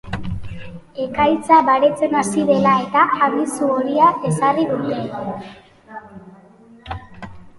Ekaitza baretzen hasi dela eta, abisu horia ezarri dute.